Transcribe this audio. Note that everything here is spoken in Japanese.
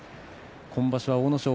今場所は阿武咲